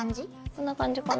こんな感じかな。